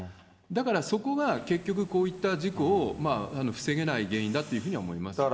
だからそこが結局、こういった事故を防げない原因だっていうふうに思いますよね。